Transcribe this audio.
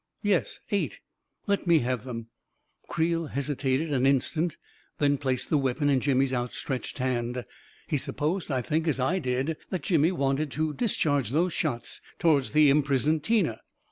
" Yes — eight." " Let me have it." Creel hesitated an instant, then placed the weapon in Jimmy's outstretched hand. He supposed, I think, as I did, that Jimmy wanted to discharge those shots toward the imprisoned Tina.